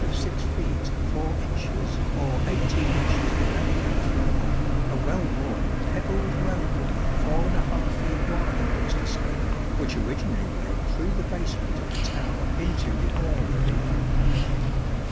of 6 feet 4 inches or 18 inches below that floor, a well worn pebbled roadway 4 feet wide was dis covered, which originally led through the basement of the tower into the aula beyond.